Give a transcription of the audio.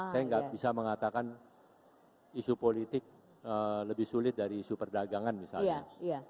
saya nggak bisa mengatakan isu politik lebih sulit dari isu perdagangan misalnya